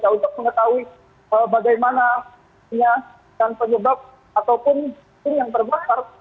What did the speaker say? untuk mengetahui bagaimana penyebab ataupun yang terbakar